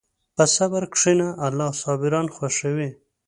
په صبر کښېنه، الله صابران خوښوي.